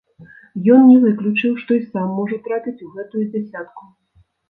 Ён не выключыў, што і сам можа трапіць у гэтую дзясятку.